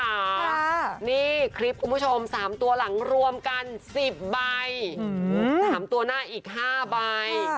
นี่คลิปคุณผู้ชม๓ตัวหลังรวมกัน๑๐ใบ๓ตัวหน้าอีก๕ใบ